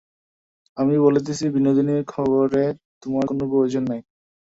আমি বলিতেছি, বিনোদিনীর খবরে তোমার কোনো প্রয়োজন নাই।